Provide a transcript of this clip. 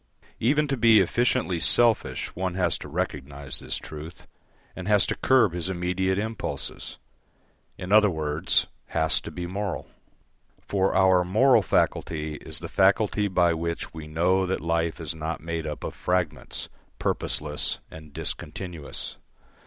Even to be efficiently selfish one has to recognise this truth, and has to curb his immediate impulses in other words, has to be moral. For our moral faculty is the faculty by which we know that life is not made up of fragments, purposeless and discontinuous.